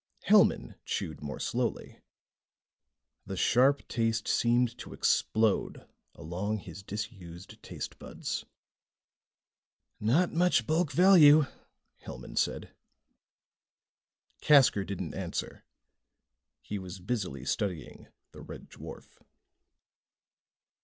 Hellman chewed more slowly. The sharp taste seemed to explode along his disused tastebuds. "Not much bulk value," Hellman said. Casker didn't answer. He was busily studying the red dwarf.